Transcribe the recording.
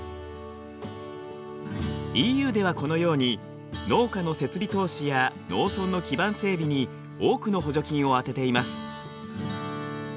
ＥＵではこのように農家の設備投資や農村の基盤整備に多くの補助金を充てています。